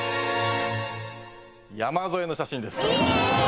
山添の写真です。